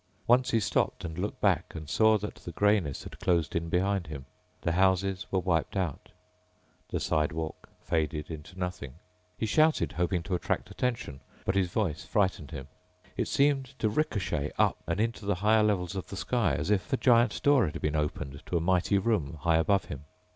Once he stopped and looked back and saw that the grayness had closed in behind him. The houses were wiped out, the sidewalk faded into nothing. He shouted, hoping to attract attention. But his voice frightened him. It seemed to ricochet up and into the higher levels of the sky, as if a giant door had been opened to a mighty room high above him.